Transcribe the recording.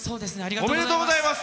おめでとうございます。